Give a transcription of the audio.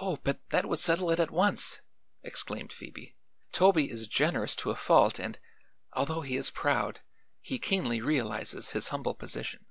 "Oh; but that would settle it at once!" exclaimed Phoebe. "Toby is generous to a fault and, although he is proud, he keenly realizes his humble position.